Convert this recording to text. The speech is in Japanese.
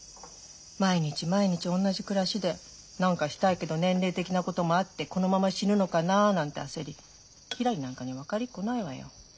毎日毎日同じ暮らしで何かしたいけど年齢的なこともあってこのまま死ぬのかななんて焦りひらりなんかに分かりっこないわよ。